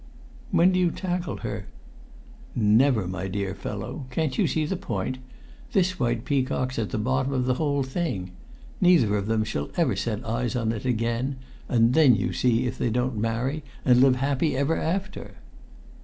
"When do you tackle her?" "Never, my dear fellow! Can't you see the point? This white peacock's at the bottom of the whole thing. Neither of them shall ever set eyes on it again, and then you see if they don't marry and live happy ever after!"